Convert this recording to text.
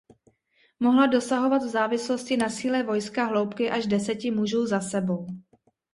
Mohla dosahovat v závislosti na síle vojska hloubky až deseti mužů za sebou.